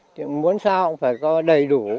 thì muốn sao cũng phải có đầy đủ